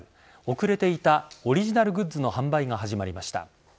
遅れていたオリジナルグッズの販売が始まりました。